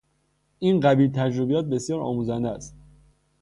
این قبیل تجربیات بسیار آموزنده است.